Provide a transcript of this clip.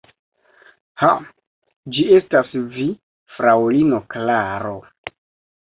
Ha, ĝi estas vi, fraŭlino Klaro!